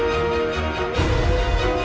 tante itu sudah berubah